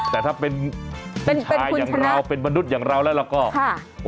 แต่ถ้าเป็นผู้ชายอย่างเราเป็นมนุษย์อย่างเราแล้วเราก็ค่ะ